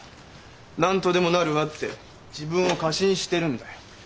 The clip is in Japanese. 何とでもなるわって自分を過信してるんだよ。